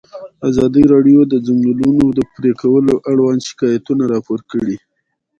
ازادي راډیو د د ځنګلونو پرېکول اړوند شکایتونه راپور کړي.